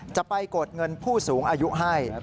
ไปกดเงินผู้สูงอายุให้